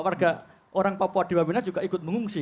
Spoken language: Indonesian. warga orang papua di wamena juga ikut mengungsi